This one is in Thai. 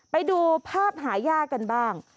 ไปดูภาพหายากกันบ้าง